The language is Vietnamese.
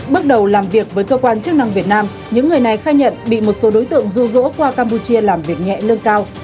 bước đầu làm việc với cơ quan chức năng việt nam những người này khai nhận bị một số đối tượng rô rỗ qua campuchia làm việc nhẹ lương cao